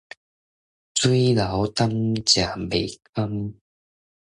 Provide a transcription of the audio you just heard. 水流東，食未空